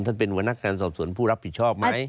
ท่านเป็นวนักการสอบสวนผู้รับผิดชอบไหม